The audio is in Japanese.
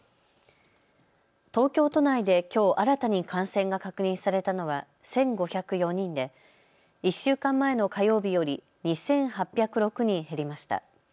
東京都内できょう、新たに感染が確認されたのは１５０４人で１週間前の火曜日より２８０６人減りました。